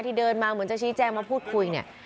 เดินมาเหมือนจะชี้แจงมาพูดคุยเนี่ย